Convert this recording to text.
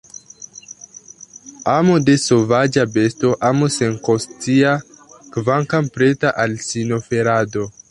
Amo de sovaĝa besto, amo senkonscia, kvankam preta al sinoferado.